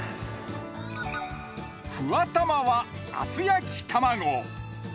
ふわたまは厚焼き玉子。